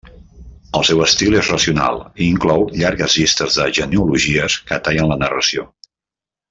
El seu estil és racional i inclou llargues llistes de genealogies que tallen la narració.